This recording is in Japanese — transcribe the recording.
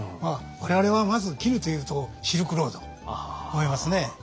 我々はまず絹というとシルクロードを思いますね。